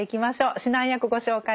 指南役ご紹介します。